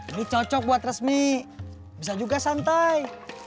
ini cocok buat resmi bisa juga santai